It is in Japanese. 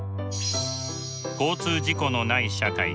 交通事故のない社会。